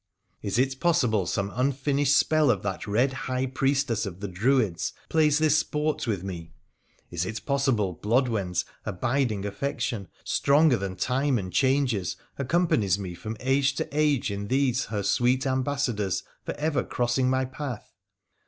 ' Is it possible some unfinished spell of that red high priestess of the Druids plays this sport with me? Is it possible Blodwen's abiding affection — stronger than time and changes — accompanies me from age to age in these her sweet ambassadors for ever crossing my path